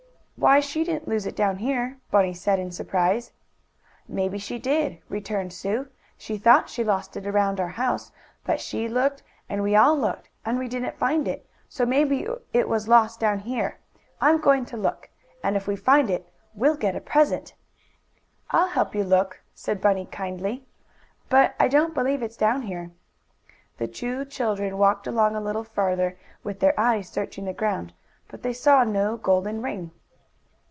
"Why, she didn't lose it down here!" Bunny said, in surprise. "Maybe she did," returned Sue. "She thought she lost it around our house, but she looked, and we all looked, and we didn't find it, so maybe it was lost down here. I'm going to look, and if we find it we'll get a present." "I'll help you look," said Bunny kindly, "but I don't believe it's down here." The two children walked along a little farther, with their eyes searching the ground, but they saw no golden ring.